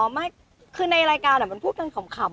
อ๋อไม่คือในรายการเนี่ยมันพูดกันขำ